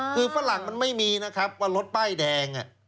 คือฝรั่งมันไม่มีนะครับว่ารถป้ายแดง